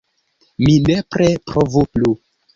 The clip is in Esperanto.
Mi nepre provu plu!